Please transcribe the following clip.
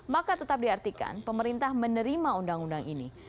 maka tetap diartikan pemerintah menerima undang undang ini